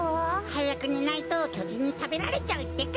はやくねないときょじんにたべられちゃうってか？